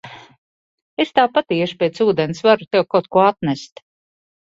Es tāpat iešu pēc ūdens, varu tev kaut ko atnest.